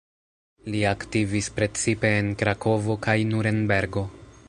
Li aktivis precipe en Krakovo kaj Nurenbergo.